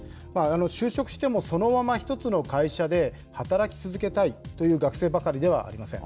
就職してもそのまま１つの会社で働き続けたいという学生ばかりではありません。